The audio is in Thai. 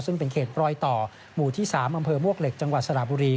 ซึ่งเป็นเขตรอยต่อหมู่ที่๓อำเภอมวกเหล็กจังหวัดสระบุรี